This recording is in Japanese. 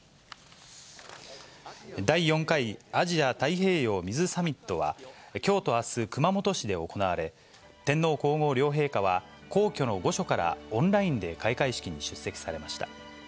第４回アジア・太平洋水サミットは、きょうとあす、熊本市で行われ、天皇皇后両陛下は、皇居の御所からオンラインで開会式に出席されました。